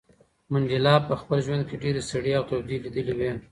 منډېلا په خپل ژوند کې ډېرې سړې او تودې لیدلې وې.